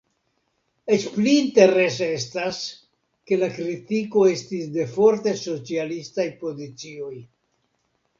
Eĉ pli interese estas ke la kritiko estis de forte socialistaj pozicioj.